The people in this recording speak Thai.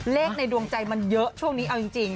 ในดวงใจมันเยอะช่วงนี้เอาจริง